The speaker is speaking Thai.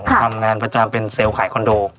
ทำงานประจำเป็นเซลล์ขายคอนโด